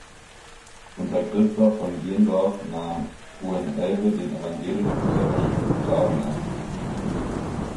Unter Christoph von Gendorf nahm Hohenelbe den evangelisch-lutherischen Glauben an.